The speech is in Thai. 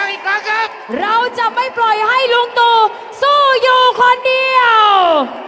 อย่าให้ลุงตู่สู้คนเดียว